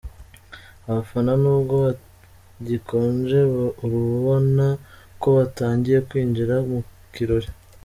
Abafana nubwo bagikonje urabona ko batangiye kwinjira mu kirori.